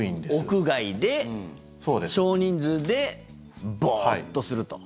屋外で少人数でぼーっとすると。